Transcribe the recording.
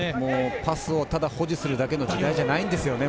パスを保持するだけの時代ではないんですよね。